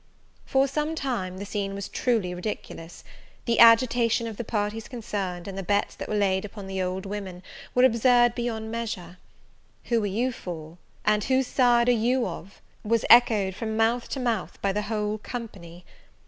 For some time, the scene was truly ridiculous: the agitation of the parties concerned, and the bets that were laid upon the old women, were absurd beyond measure. Who are you for? and whose side are you of? was echoed from mouth to mouth by the whole company.